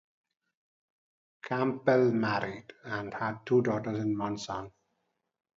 Campbell married, and had two daughters and one son.